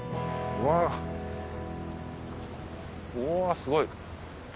うわぁすごい。